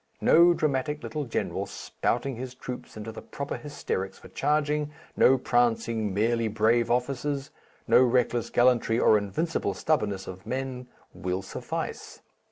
No dramatic little general spouting his troops into the proper hysterics for charging, no prancing merely brave officers, no reckless gallantry or invincible stubbornness of men will suffice.